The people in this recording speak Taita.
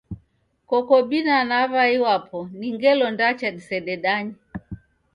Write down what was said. Koko binana aw'ai wapo ni ngelo ndacha disededanye?